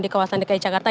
di kawasan dki jakarta